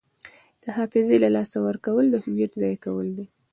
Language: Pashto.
د حافظې له لاسه ورکول د هویت ضایع کول دي.